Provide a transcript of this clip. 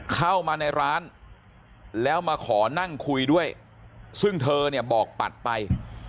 เข้ามาในร้านแล้วมาขอนั่งคุยด้วยซึ่งเธอเนี่ยบอกปัดไป